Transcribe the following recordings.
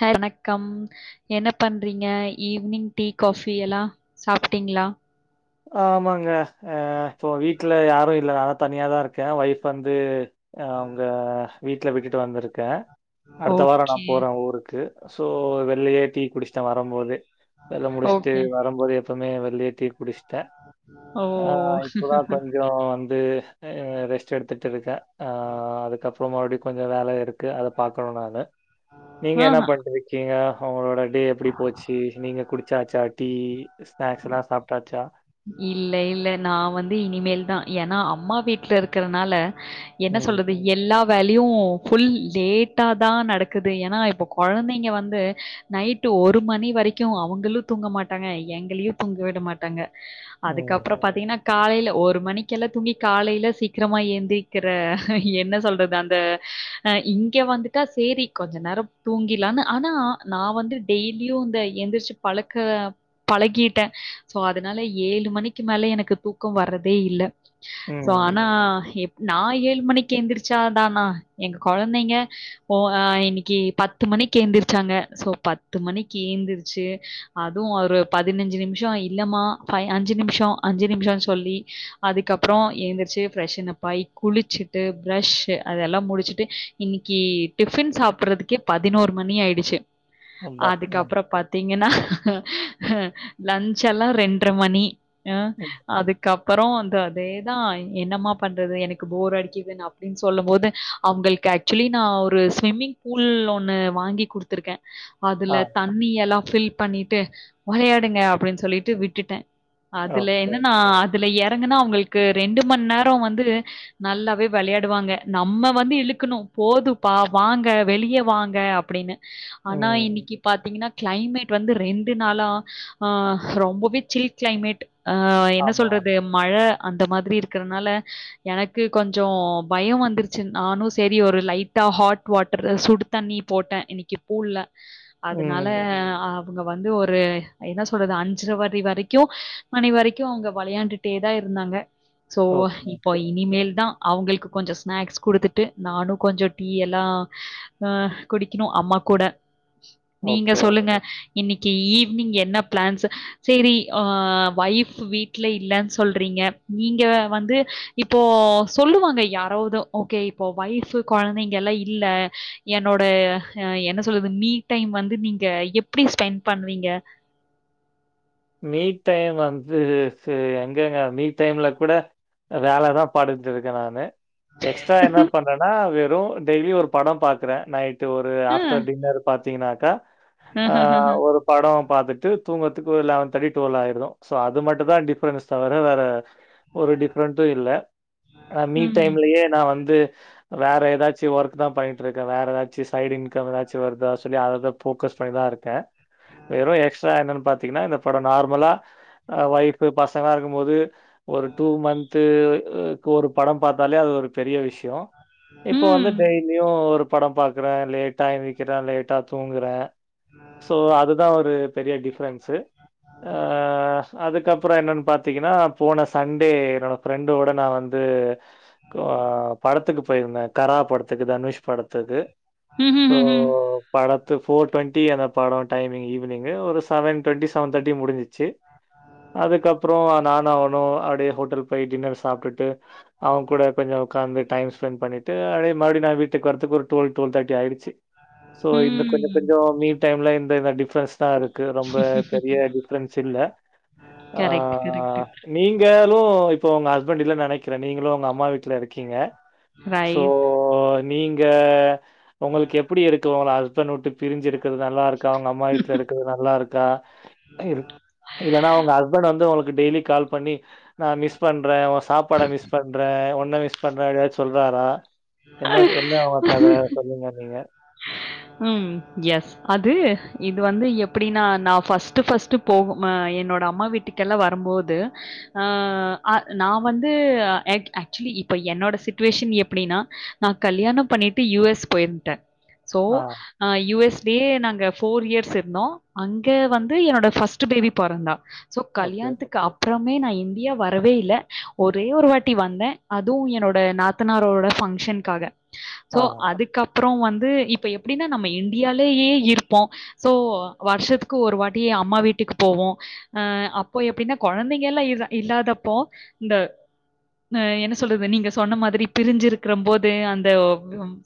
வணக்கம் என்ன பண்றீங்க ஈவினிங் டீ காபி எல்லாம் சாப்பிட்டீங்ளா ஆமாங்க அஹ் போவி வீட்டுல யாரும் இல்ல நானா தனியா தான் இருக்கேன் ஒயஃப் வந்து அவங்க வீட்டுல விட்டுட்டு வந்திருக்கேன் அடுத்த வாரம் ஓகே. நான் போறேன் ஊருக்கு சோ வெளியே டி குடிசிட்ட வரும்போது வேல முடிச்சுட்டு ஓகே. வரும்போது எப் எப்பவுமே வெள்லயே டீ கு த ஓ! ஆஹ் இப்போதான் கொஞ்சம் வந்து ரெஸ்ட் எடுத்துட்டு இருக்கேன் அஹ் அதுக்கப் அப்புற மறுபடியும் கொஞ்சம் வேல இருக்கு அத பாக்கணும் நானு நீங்க என்ன ஆஹா. பண்ட்ருக்கீங்க உங்களோட டே எப்படி போச்சு நீங்க குடிச்சாச்சா டீ ஸ்நாக்ஸ் எல்லாம் சாப்ட்டாச்சா இல்ல இல்ல நான் வந்து இனிமேல் தான் ஏன்னா அம்மா வீட்டுல இருக்றனால என்ன ம், சொல்றது எல்லா வேலையும் ஃபுல் லேட்டா தான் நடக்குது ஏன்னா இப்போ கொழந்தைங்க வந்து நைட் ஒரு மணி வரைக்கும் அவங்களும் தூங்க மாட்டாங்க எங்களையும் தூங்க விட மாட்டாங்க ம், அதுக்கப்புறம் பாத்தீங்கன்னா காலைல ஒரு மணிக்கெல்லாம் தூங்கி காலையில சீக்கிரமா எந்திரிக்கிற என்ன சொல்றது அந்த அஹ் இங்க வந்துட்டா சேரி கொஞ்ச நேரம் தூங்கிலான்னு ஆனா நான் வந்து டெய்லியும் இந்த எந்திரிச்சு பழக்க பழகிட்டேன் சோ அத் அதனால ஏழு மணிக்கு மேல எனக்கு தூக்கம் வரதே இல்ல சோ ம். ஆனா எப் நான் ஏழு மணிக்கு எந்திரிச்சாதானா எங்க கொழந்தைங்க ஓ இன்னிக்கு பத்து மணிக்கு எந்திரிச்சாங்க சோ பத்து மணிக்கு ஏந்திரிச்சு அதுவும் ஒரு பதினஞ்சு நிமிஷம் இல்லமா அஞ்சு நிமிஷம் அஞ்சு நிமிஷனு சொல்லி அதுக்கப்புறம் எந்திரிச்சு பிரஷ்னபாய் குளிச்சுட்டு ப்ரஷ் அதெல்லாம் முடிச்சுட்டு இன்னிக்கு டிஃபன் சாப்புட்றதுக்கே பதினோரு மணி ஆயிடுச்சு அப்பா! ம். அதுக்கப்புறம் பாத்தீங்கன்னா ஹும் லந் ச்லா ரெண்ட்ர மணி அஹ் ம். அதுக்கப்புறம் அதேதான் என்னமா பண்றது எனக்கு போர் அடிக்குதுன்னு அப்டின்னு சொல்லும் போது அவங்களுக்கு ஆக்சுவலி நான் ஒரு ஸ்விம்மிங் பூல் ஒன்னு வாங்கி குடுத்துருக்கேன் அதுல ஆ. தண்ணி எல்லாம் ஃபில் பண்ணிட்டு வெளையாடுங்க அப்படின் சொல்லிட்டு விட்டுட்டேன் அதுல ஓகே. என்னன்னா அதுல எறங்கனா அவங்களுக்கு ரெண்டு மண் நேரம் வந்து நல்லாவே வெளையாடுவாங்க நம்ம வந்து இழுக்கனும் போதும்ப்பா வாங்க வெளியே வாங்க அப்டின்னு ஆனா ம். இன்னிக்கு பாத்தீங்கன்னா கிளைமேட் வந்து ரெண்டு நாளா ஆஹ் ரொம்பவே சில் கிளைமேட் ஆ என்ன ஆமா, சொல்றது ஆமா. மழை அந்த மாதிரி இருக்குறதுனால எனக்கு கொஞ்சோ பயம் வந்துருச்சு நானும் சரி ஒரு லைட்டா ஹாட் வாட்டர் சுடு தண்ணி போட்டே இன்னைக்கு கூல்ல அதனால ம். ஆ அங்க வந்து ஒரு என்ன சொல்றது அன் அஞ்சற வரைக்கு மணி வரைக்கு அவங்க விளையாண்டுட்டே தான் இருந்தாங்க சோ ஓகே, இப்போ ஓகே. இனிமேல் தா அவங்களுக்கு கொஞ்சம் ஸ்னாக்ஸ் கொடுத்துட்டு நானும் கொஞ்சம் டீ எல்லாம் அஹ் குடிக்கணும் அம்மா கூட நீங்க ஓகே, ஓகே. சொல்லுங்க இன்னைக்கு ஈவினிங் என்ன பிளான்ஸ் சரி ஆ ஒய்ப் வீட்ல இல்லன்னு சொல்றீங்க நீங்க வந்து இப்போ சொல்லுவாங்க யாராவது ஓகே இப்போ ஒய்ப் குழந்தைங்க எல்லா இல்ல என்னோட ஆ என்ன சொல்லுறது டீ டைம் வந்து நீங்க எப்படி ஸ்பெண்ட் பண்றீங்க மீ டைம் வந்து சரி எங்கங்க வீக் டைம்ல கூட வேலை தான் பாத்டுருக்கேன் நான் எக்ஸ்ட்ரா என்ன பண்றனா அதுப் டோ டெய்லி ஒரு படம் பாக்கறேன் நைட்டு ஒரு அ. ஆப்டர் டின்னர் பாத்தீங்கன்னா க்க ஆ ஒரு படம் பார்த்துட்டு தூங்கறத்துக்கு ஒரு காட் திரி டுவல் ஆயிரும் சோ அது மட்டும் தான் டிபரன்ஸ் தவிர வேற ஒரு டிஃப்ரெண்ட்டும் இல்ல ஆ மீ ம். டைம்லயே நான் வந்து வேற ஏதாச்சும் ஒர்க் தான் பண்ணிட்டு இருக்கேன் வேற ஏதாச்சும் சைடு் இன்கம் ஏதாச்சும் வருதா சொல்லி அததான் போக்கஸ் பண்ணிதான் இருக்கேன் வெறும் எக்ஸ்ட்ரா என்னன்னு பாத் [inaudible] படம் நார்மலா ஆ ஒய்ப் பசங்க இருக் ஒரு ஒரு டூ மந்த்து ஒரு படம் பார்த்தாலே அது ஒரு பெரிய விஷயம் இப்ப வந்து ம். டெய்லியும் ஒரு படம் பா்கக்குறேன் லேட்டா எந்திரிக்கிறேன் லேட்டா தூங்கறேன் சோ அதுதான் ஒரு பெரிய டிப்ரன்ஸு அஹ் அதுக்கப்புறம் என்னன்னு பாார்த்தீங்கன்னா போன சண்டே என்னோட ப்ரெண்டோட நான் வந்து ஆ படத்துக்கு போயிருந்தேன் கரா படத்துக்கு தனுஷ் படத்துக்கு ஹும் ஹும் போர் டுவெண்டி அந்த படம் டைமி்ங் ஈவினிங் ஒரு செவன் டுவெண்டிஸ் செவன் தேட்டி முடிஞ்சிச்சு அதுக்கப்புறம் நான அவனும் அப்படியே ஹோட்டல் போய் டின்னர் சாப்பிட்டுட்டு அவன் கூட கொஞ்சம் உட்காந்து டைம் ஸ்பெண்ட் பண்ணிட்டு அதே மாரி நான் வீட்டுக்கு வரத்துக்கு ஒரு டுவெல் டுவல் தேட்டி ஒஆயிடுச்சு சோ ம். இந்த ம், கொஞ்சம் ம். கொஞ்சம் மீட் டைம்ல இந் டிஃரன்ஸ் தான் இருக்கு ரொம்ப டிஃப்ரன்ஸ் இல் கரெக்ட், ஆஹ் கரெக்ட். நீங்காலும் இப்போ உங்கஹஸ்பண்ட் இல்ல நினைக்கிறன் நீங்களும் உங்க அம்மா வீட்டல இருக்கு இருக்கீங்க சோ ரைட். நீங்க உங்களுக்கு எப்படி இருக்கு உங்க ஹஸ்பண்ட் விட்டு பிரிஞ்சு இருக்கறிறது நல்லா இருக்கா அவங்க அம்மா வீட்டல இருக்கறிறது நல்லா இருக்கா இ இல்ல நான் உங்க அஸ்பண்ட் வந்து உங்களுக்கு டெய்லி கால் பண்ணி நான மிஸ் பண்றேன் உன் சாப்பாட மிஸ் பண்றேன் உன் என்ன மிஸ் பண்ற அப்டின்னு சொல்றாரா என்ன என்னவா கதை சொல்லுங்க நீங்க ஹம் எஸ் அது இது வந்து எப்டின்னா நான ஃபஸ்ட்ட் பஸ்ட்ட் போகும் என்னோட அம்மா வீட்டுக்கெல்லாம் வரும்போது அ நான வந்து ஆக்சுவலி இப்ப என்னோட சிச்சுவேஷன் எப்டின்னா நான கல்யாணம் பண்ணிட்டு யு எஸ் போயிட்டேன் சோ ஆ, ஆஹ் யூ எஸ் லயே நாங்க போர் இயர்ஸ் இருந்தோம் அங்க வந்து என்னோட ஃபர்ஸ்ட் பேபி பொறந்தா சோ ஓகே. கல்யாணத்துக்கு அப்புறம் மே நான் இந்தியா வரவே இல்ல ஒரே ஒரு வாட்டி வந்தேன் அதுவும் என்னோட நாத்தனாரோட பங்க்ஷனுக்காக சோ ஆ, அதுக்கப்புறம் அப்புறம் வந்து இப்ப அப்டின்னா நம்ம இந்தியாலேயே இருப்போம் சோ வருஷத்துக்கு ஒரு வாட்டியே அம்மா வீட்டுக்கு போவோம் அ அப்போ எப்டின்னா கெழந்தைங்கலாம் இல்லாதப்போ இந்தஹ என்ன சொல்றது நீங்க சொன்ன மாரி பிரிஞ்சிருக்கிற போது அந்த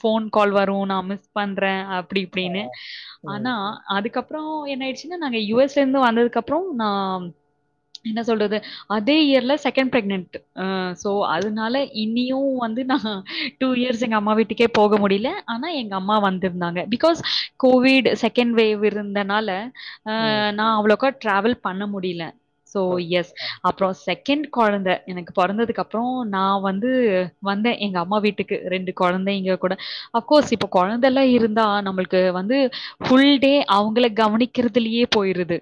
போன் கால் வரும் நான் மிஸ் பண்றேன் அ அப்படி ஆ. இப்படின்னு ஆனா ம், அதுக்கப்புற அப்புறம் என்ன ஆடுச்சுனா நாங்க யுஎஸ் இருந்து வந்ததுக்கு அப்புறம் நான் என்ன சொல்றது அதே இயர்ல செகண்ட் பெர்கனன்ட் சோ அதனால இனியும் வந்து நான் டூ இயர்ஸ் எங்க அம்மா வீட்டுக்கே போக முடியல ஆனா எங்க அம்மா வந்திருந்தாங்க பிகாஸ் கோவிட் செகண்ட் வேவ் இருந்தனால ம். ஆஹ் நான் அவ்வளோ க ட்ராவல் பண்ண முடியல சோ ஓகே. யஸ் ஆ. அப்ரோ செகண்ட் கெண் குழந்த எனக்கு பிறந்ததுக்குப்புறம் நான் வந்து வந்தேன் எங்க அம்மா வீட்டுக்கு ரெண்டு குழந்தை இங்க கூட அஃப்கோர்ஸ் இப்போ கெழந்தல்ல இருந்தா நம்மளுக்கு வந்து ஃபுல் டே அவங்கள கவனிக்கிறதுலயே போயிருது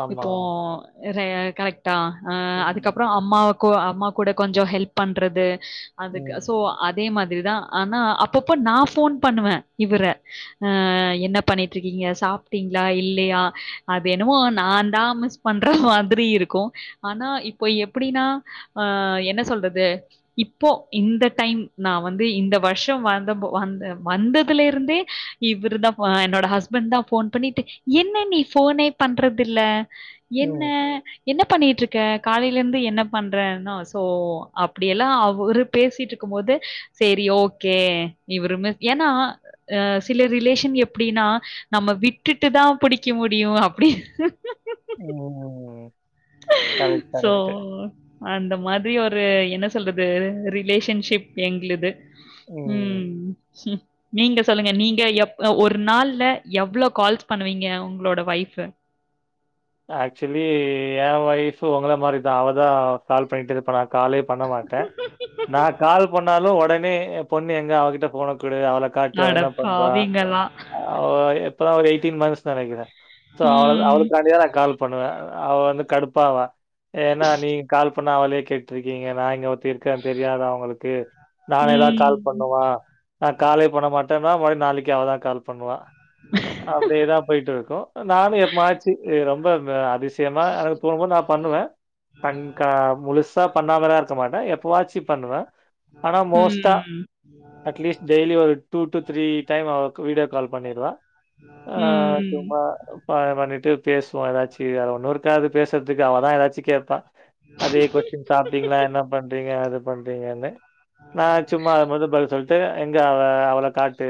ஆமா, இப்போ ஆமா. [unintelligible] கரெக்ட் டா ஹ ம், அதுக்கப்புறம் அம்மாவ கொ அம்மா கூட கொஞ்ச ஹெல்ப் பண்றது அதுக்கு ம், சோ அத் அதே மாதிரி தா ஆனா அப்பப்ப நா போன் பண்ணுவேன் இவரை ஆஹ் என்ன பண்ணிட்டு இருக்கீங்க சாப்ட்டீங்களா இல்லையா அது என்னமோ நான் தா மிஸ் பண்ற மாதிரி இருக்கு ஆனா இப்போ எப்படின்னா ஹா என்ன சொல்றது இப்போ இந்த டைம் நா வந்து இந்த வருஷ வந்த [unintelligible] வந்த வந்ததுல இருந்தே இவரு தா ஹா என்னோட ஹஸ்பண்ட் தாபோன் பண்ணிட்டு என்ன நீ ஃபோனே பண்றது இல்ல என்ன ம், என்ன பண்ணிட்டுருக்கு [unintelligible] காலையில இருந்து என்ன பண்றன்னா சோ அப்படியெல்லாம் அவரு பேசிட்டு இருக்கும்போது சரி ஓகே இவருமே ஏன்னா ஹ சில ரிலேஷன் எப்டின்னா நம்ம விட்டுட்டு தா புடிக்க முடியும் அப்புடி ஹுஹூ ம். ஹுஹூ கரெக்ட், சோ கரெக்ட். அந்த மாதிரி ஒரு என்ன சொல்றது ரிலேஷன்ஷிப் எங்களது ம் நீங்க சொல்லுங்க நீங்க எப் ஒரு நாள்ல எவ்வளோ கால்ஸ் பண்ணுவீங்க உங்களோட ஒயிஃப் ஆக்சுவலி என் ஒய்ஃப் உங்கள மாரிதா அவதா கால் பண்ணிட்டு இருப்பா காலே பண்ண மாட்டே நா கால் பண்ணாலு உடனே [unintelligible] பொண்ணு எங்க அவகிட்ட போன [unintelligible] அவள காட்டி அவ அட என்ன பண்றா பாவிங்களா! அவ இப்பதா ஒரு எயிட்டின் மந்த்ஸ் நெனைக்கிற சோ அவ ம். அவளுக் காண்டி தா வா அவ வந்து கடுப்பாவா ஏனா நீங்க கால் இப்ப நா அவளையே கேட்ருக்கீங்க நா இங்க ஒருத்தி இருக்கே தெரியாதா உங்களுக்கு நானே தா ம். கால் பண்ணுமா நா காலே பண்ண மாட்டே [unintelligible] நாளைக்கு அவதா கால் பண்ணுவா அப்டியே தா போயிட்டு இருக்கு நானும் எப்மாச்சு ரொம்ப [unintelligible] அதிசயமா எனக்கு தோணும் நா பண்ணுவே [unintelligible] முலுசாப் பண்ணாமலா இருக்க மாட்டே எப்பவாச்சி பண்ணுவே ஆனா மோஸ்ட்டா ம். அட்லீஸ்ட் டெய்லி ஒரு டூ டு த்ரீ டைம் அவளுக்கு வீடியோ கால் பண்ணிருவா ஆஹ் ம். சும்மா ப பண்ணி [unintelligible] பேஸ் [unintelligible] ஏதாச்சு வேறு ஒன்னுறுக்காது பேசுறதுக்கு அவதான் ஏதாச்சி கேப்பா அதே கொஸ்ட்டின் சாப்பிட்டீங்களா என்ன பண்றீங்க அது பண்ரிங்கனு நான் சும்மா [unintelligible] [unintelligible] எங்க அவ அவள காட்டு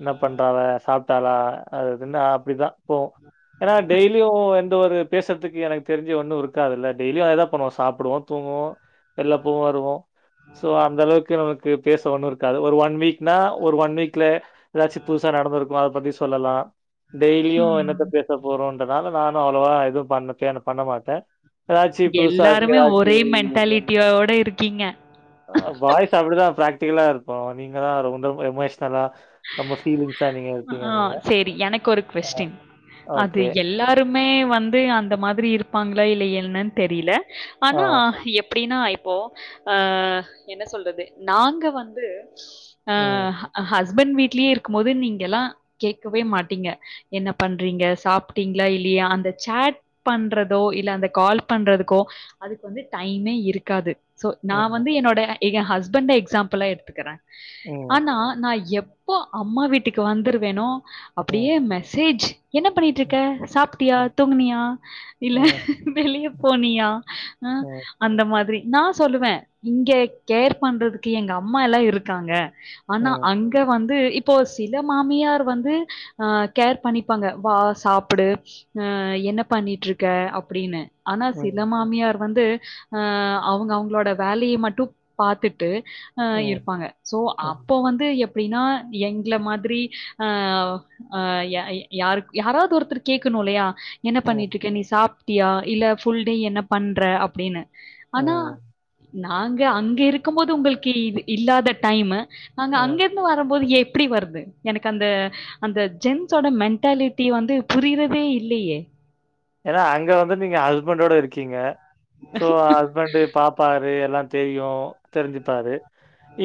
என்ன பண்றாவ சாப்ப தலா அதுதுன்ன அப்படித்தான் போவோம் ஏன்னா டெய்லி எந்த ஒரு பேசுறதுக்கு எனக்கு தெரிஜி ஒன்னும் இருக்காதுல டெய்லியும் அத பண்ணுவோம் சாப்பிடுவோ தூங்குவோ வெள்ளப்போவோம் வருவோம் சோ அந்த அளவுக்கு நமக்கு பேச ஒண்ணும் இருக்காது ஒரு ஒன் வீக் நா ஒரு ஒன் வீக்ல ஏதாச்சும் புதுசா நடந்திருக்கும் அத பத்தி சொல்லலாம் டெய்லியும் ம். என்னத்த பேச போறோம் நானும் அவ்வளவா எதுவும் பண்ண [unintelligible] பண்ண மாட்டேன் எதாச்சு புதுசா இருக்கு எல்லாருமே எதாச்சு ஒரே மென்டாலிட்டியோட இருக்கீங்க. வாய்ஸ் அப்படிதான் பிராக்டிகல்லா இருப்போம் நீங்க தான் ரொம்ப எமோஷனலா ரொம்ப ஃபீலிங்ஸா நீங்க இருப்பீங்க நீங்க. ஆஹ் செரி எனக்கு ஒரு அ கொஸ்டின் அது ஓகே. எல்லாரும் ருமே வந்து அந்த மாதிரி இருப்பாங்களா இல்லையன்னன்னு தெரியல ஆ. ஆனா எப்ப அப்படின்னா இப்போ ஹ என்ன சொல்றது நாங்க வந்து ம். அஹ் ஹஸ்பான்ட் வீட்லயே இருக் இருகும் போது நீங்க எல்லாம் கேட்கவே மாட்டீங்க என்ன பண்றீங்க சாப்பிட்டீங்களா இல்லையா அந்த சேட் பண்றதோ இல்லை அந்த கால் பண்றதுக்கோ அதுக்கு வந்து டைமே இருக்காது சோ நான் ம். வந்து என்னோட எங்க ஹஸ்பண்ட் எக்ஸாம்பிளா எடுத்துக்கிறேன் ம். ஆனா நான் எவ்வ ப்பா அம்மா வீட்டுக்கு வந்துருவேநோ ம். அப்படியே மெசேஜ் என்ன பண்ணிட்டு இருக்க சாப்பிட்டியா தூங்கினியா இல்ல ம். ம். வெளியே போனியா ஹ ம். அந்த மாதிரி நான் சொல்லுவேன் இங்க கேர் பண்றதுக்கு எங்க அம்மா எல்லாம் இருக்காங்க ஆனா ம். அங்க வந்து இப்போ சில மாமியார் வந்து அஹ் கேர் பண்ணிப்பாங்க வா சாப்பிடு அஹ் என்ன பண்ணிட்டு இருக்க அப்டின்னு ஆனா ம். சில மாமியார் வந்து அ அவங்க அவங்களோட வேலய மட்டும் பாத்துட்டு ஹ ம். இருப்பாங்க சோ அப்ப வந்து எப் அப்படின்னா எங்களை மாதிரி ஆஹ் ஆஹ் யாரு யாராவது ஒருத்தர் கேட்கணும் இல்லையா என்ன ம். பண்ணிட்டு இருக்கே நீ சாப் இக்கிய இல்ல புல் டே என்ன பண்ற அப்படின்னு ஆனா ம். நாங்க அங்க இருக்கும் போது உங்களுக்கு இது இல்லாத டைமு அங்க ம். அங்கிருந்து வர ப்போது எப்டி வருது எனக்கு அந்த அந்த ஜென்ஸோட மென்டாலிட்டி வந்து புரியறதே இல்லயே ஏன்னா அங்க வந்து நீங்க ஹஸ்பண்டோட இருக்கீங்க சோ ஹஸ்பண்ட் பாப்பாரு எல்லாம் தெரியும் தெரிஞ்சுப்பாரு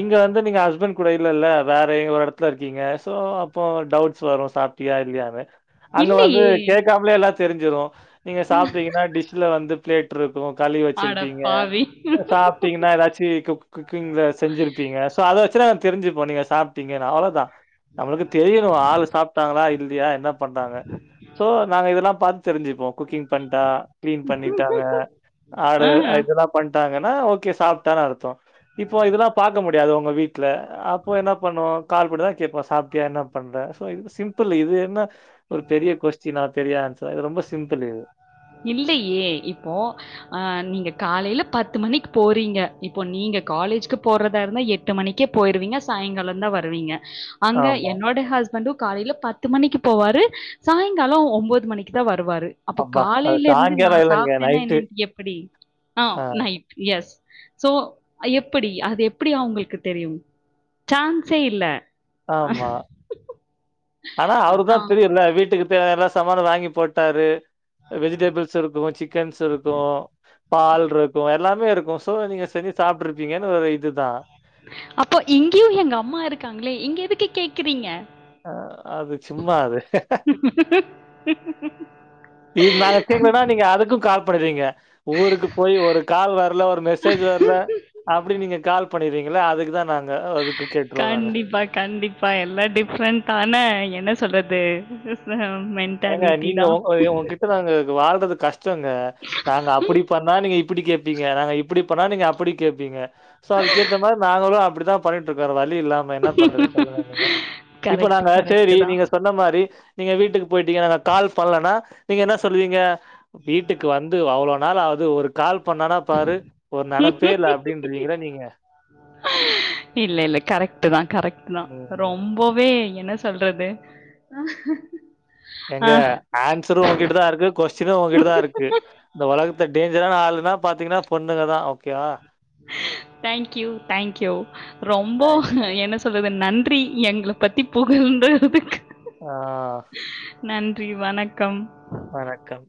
இங்க வந்து நீங்க ஹஸ்பண்ட் கூட இல்லல்ல வேற ஒரு இடத்துல இருக்கீங்க சோ அப்போ டவுட்ஸ் வரும் சாப்பிட்டியா இல்லையானு அங்க வந்து இல்லையே! கேக்காமலே எல்லாத் தெரிஞ்சுரும் நீங்க சாப்பிட்டீங்கன்னா டிஷ்ல வந்து ஸ் [unintelligible] ஒ களி அட வச்சிருப்பீங்க பாவி! சாப்பிட்டீங்கன்னா ஏதாச்சும் குக் குக்கிங்ல செஞ்சிருப்பீங்க ஷோ அதை [unintelligible] தெரிஞ்சுப்போ நீங்க சாப்ட்டீங்கன்னு அவ்ளவுதா நம்மளுக்கு தெரியரோம் ஆள் சாப்பிட்டாங்களா இல் எழுதியா என்ன பண்றாங்க சோ நாங்க இதெல்லாம் பார்த்து தெரிஞ்சு குக்கிங் பண்ணிட்டா கிளீன் பண்ணிட்டாங்க ஆரு ஆ இதெல்லாம் பண் ட்டாங்கன்னா ஓகே சாப்ட்டானு அர்த்தோ இப்போ இதெல்லா பாக்க முடியாது உங்க வீட்ல அப்போ என்ன பண்ணுவோ கால் பண்ணிதா கேப்போ சாப்டியா என்ன பண்ற சோ இது சிம்பிள் இது என்ன ஒரு பெரிய கொஸ்டினா தெரிய ஆன்ஷர் இது ரொம்ப ஸ் சிம்ப்புலது இல்லையே இப்போ ஆஹ் நீங்க காலையில பத்து மணிக்கு போறீங்க இப்போ நீங்க காலேஜ்கு போறதா இருந்தா எட்டு மணிக்கே போயிருவீங்க சாயங்காலம் தான் வருவீங்க அங்க ஆமா. என்னோட ஹஸ்பண்டு காலைல பத்து மணிக்கு போவாரு சாயங்காலோ ஒம்போது மணிக்குதா வரு வருவாரு அப்போ அப்பா! அது காலைல இருந்து நா சாயங்காலம் இல்லங்க. சாப்ட்டனா நைட்டு. என்னன்ட்டு எப்படி ஆஹ் ஆ. நைட் எஸ் சோ அ எப்படி அது எப்படி அவங்களுக்கு தெரியும் சான்ஸே இல்ல ஆமா ஆனா அவரு தான் அதான். தெரியல வீட்டுக்கு எல்லா சாமானும் வாங்கி போட்டாரு வெஜிடபிள்ஸ் இருக்கும் சிக்கன்ஸ் இருக்கும் பால் இருக்கும் எல்லாமே இருக்கும் சோ நீங்க சரி சாப்பிருப்பீங்கன்னு ஒரு இதுதான் அப்போ இங்கயு எங்க அம்மா இருக்காங்களே இங்க எதுக்கு கேக்குறீங்க அஹ் அது சும்மா அது இது நாங்க கேக்குறேன்னா நீங்க அதுக்கும் காசு பண்ணறீங்க ஊருக்கு போய் ஒரு கால் வரல ஒரு மெசேஜ் வரல அப்டி நீங்க கால் பண்ணறீங்க இல்ல அதுக்குதான் நாங்க அதுக்கு கேட்டுருவோம் நாங்க. கண்டிப்பா-கண்டிப்பா எல்லாம் டிஃப்ரெண்ட் ஆனா என்ன சொல்லுது ஏங்க நீங்கங்க உங்ககிட்ட நாங்க வாழ்றது கஷ்ட ங்க நாங்க அப்டி பண்ணா நீங்க இப்படி கேடப்பீங்க நாங்க இப்படி பண்ணா நீங்க அப்டி கேப்பீங்க சோ அதுக்கேத்த மாரி நாங்களும் அப்டி தான்பண்ணிட்டுஇருக்கிறதா வலி இல்லாம என்ன பண்றது சொல்லுங்க நீங்க இப்ப கரெக்ட், நாங்க கரெக்ட் செரி தான். நீங்க சொன்ன மாதிரி நீங்க வீட்டுக்கு போயிட்டீங்க நாங்க கால் பண்ணலனா நீங்க என்ன சொல்லுவீங்க வீட்டுக்கு வந்து அவ்ளவு நாள் ஆவு து ஒரு கால் பண்ணானா பாரு ஒரு நனைப்பே இல்ல அப்டின்றீங்கள நீங்க இல்ல-இல்ல கரெக்ட் தான்-கரெக்ட் தான் ம். ரொம்பவே என்ன சொல்றது ஆ ஏங்க ஆன்சரும் உங்ககிட்ட தான் இருக்கு கொஸ்யினும் உங்க்கிட்ட தான் இருக்கு இந்த உலகத்தை டேஞ்சரான ஆளுன்னா பாத்தீங்கன்னா பொண்ணுங்க தான் கிய தேங்க் யூ-தேங்க் யூ ரொம்ப தேங்க்ஸ். என்ன சொல்றது நன்றி எங்களை பத்தி புகழ்ன்றதுக்கு ஹா நன்றி வணக்கம் வணக்கம்